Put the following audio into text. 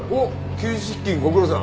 休日出勤ご苦労さん。